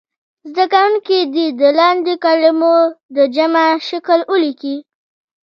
زده کوونکي دې د لاندې کلمو د جمع شکل ولیکي.